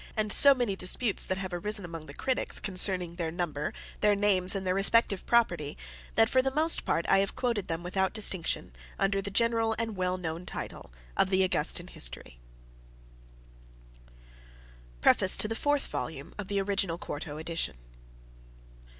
and so many disputes have arisen among the critics (see Fabricius, Biblioth. Latin. l. iii. c. 6) concerning their number, their names, and their respective property, that for the most part I have quoted them without distinction, under the general and well known title of the Augustan History. Preface To The Fourth Volume Of The Original Quarto Edition.